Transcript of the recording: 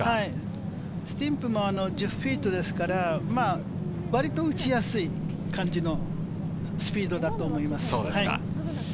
スティンプも１０フィートですから、割と打ちやすい感じのスピードだと思います。